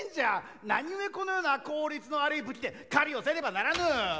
何故このような効率の悪い武器で狩りをせねばならぬ！